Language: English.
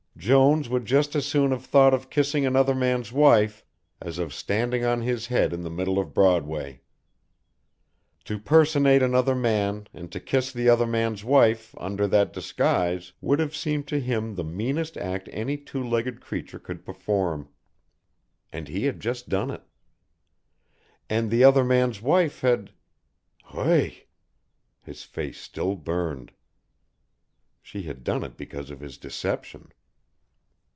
Jones would just as soon have thought of kissing another man's wife as of standing on his head in the middle of Broadway. To personate another man and to kiss the other man's wife under that disguise would have seemed to him the meanest act any two legged creature could perform. And he had just done it. And the other man's wife had heu! his face still burned. She had done it because of his deception.